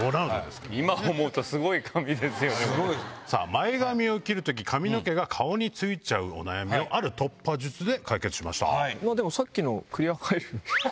前髪を切る時髪の毛が顔についちゃうお悩みをある突破術で解決しました。